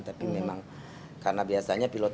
tapi memang karena biasanya pilot